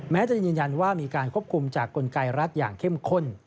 จะยืนยันว่ามีการควบคุมจากกลไกรัฐอย่างเข้มข้น